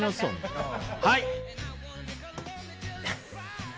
はい！